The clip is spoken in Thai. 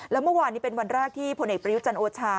แล้วเมื่อวานนี้เป็นวันแรกที่ผลเอกประยุจันทร์โอชา